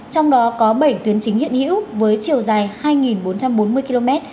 trong đó có bảy tuyến chính hiện hữu với chiều dài hai bốn trăm bốn mươi km